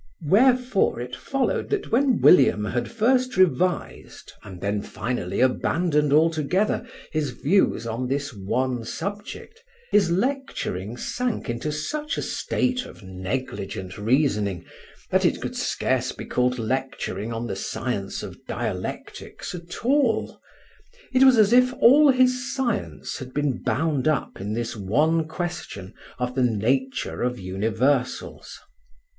Wherefore it followed that when William had first revised and then finally abandoned altogether his views on this one subject, his lecturing sank into such a state of negligent reasoning that it could scarce be called lecturing on the science of dialectics at all; it was as if all his science had been bound up in this one question of the nature of universals.